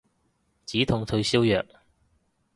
止痛退燒藥